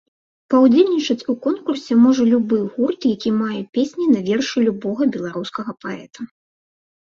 Паўдзельнічаць у конкурсе можа любы гурт, які мае песні на вершы любога беларускага паэта.